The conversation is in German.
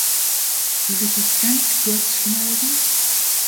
Soll ich es ganz kurz schneiden?